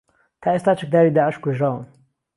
تا ئێستا چەکداری داعش کوژراون